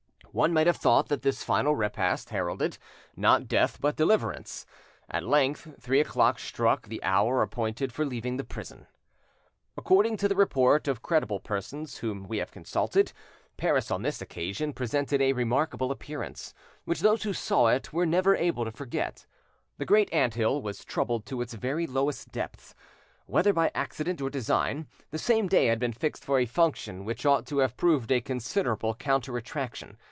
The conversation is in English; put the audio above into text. One might have thought that this final repast heralded, not death but deliverance. At length three o'clock struck the hour appointed for leaving the prison. According to the report of credible persons whom we have consulted, Paris on this occasion presented a remarkable appearance, which those who saw it were never able to forget. The great anthill was troubled to its very lowest depth. Whether by accident or design, the same day had been fixed for a function which ought to have proved a considerable counter attraction.